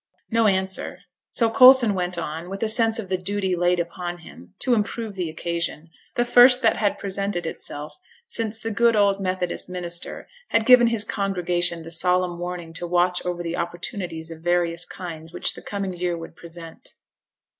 No answer; so Coulson went on, with a sense of the duty laid upon him, to improve the occasion the first that had presented itself since the good old Methodist minister had given his congregation the solemn warning to watch over the opportunities of various kinds which the coming year would present.